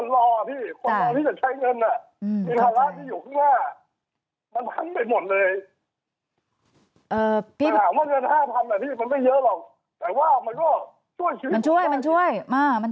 และคนรอพี่คนรอที่จะใช้เงิน